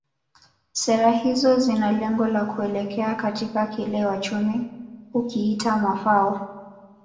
Sera hizo zina lengo la kuelekea katika kile wachumi hukiita mafao